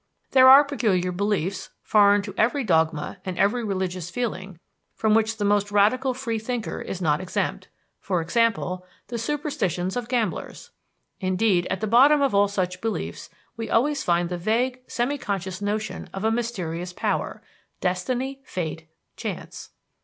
There are peculiar beliefs, foreign to every dogma and every religious feeling, from which the most radical freethinker is not exempt; for example, the superstitions of gamblers. Indeed, at the bottom of all such beliefs, we always find the vague, semi conscious notion of a mysterious power destiny, fate, chance.